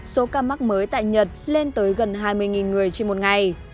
số ca mắc mới tại nhật lên tới gần hai mươi người trên một ngày